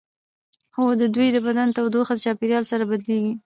هو د دوی د بدن تودوخه د چاپیریال سره بدلیږي